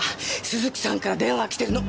鈴木さんから電話来てるの！